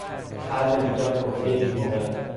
حرف بیجا، گفتهی بیموقع